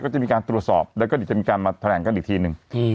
ก็จะมีการตรวจสอบแล้วก็เดี๋ยวจะมีการมาแถลงกันอีกทีหนึ่ง